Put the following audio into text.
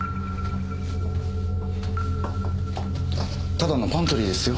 ただのパントリーですよ。